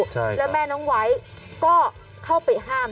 แล้วแม่น้องไว้ก็เข้าไปห้าม